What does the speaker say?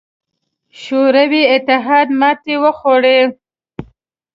شوروي اتحاد ماتې وخوړه.